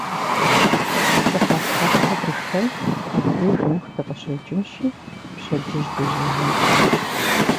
Пщыхьэщхьэшхэ дышхэнщ, мыбдеж нэху дыкъыщекӀынщи, пщэдджыжь дежьэжынщ .